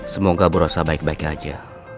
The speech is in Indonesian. semoga berosa baik baik aja